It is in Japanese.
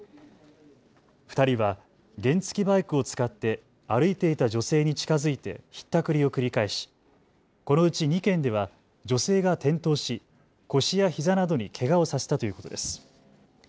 ２人は原付きバイクを使って歩いていた女性に近づいてひったくりを繰り返しこのうち２件では女性が転倒し腰やひざなどにけがをさせたということです。